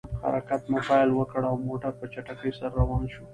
په حرکت مو پیل وکړ، او موټر په چټکۍ سره روان شو.